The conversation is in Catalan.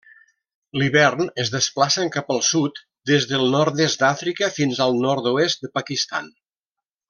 L'hivern es desplacen cap al sud, des del nord-est d'Àfrica fins al nord-oest de Pakistan.